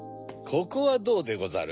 ここはどうでござる？